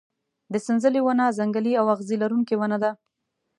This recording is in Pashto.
د سنځلې ونه ځنګلي او اغزي لرونکې ونه ده.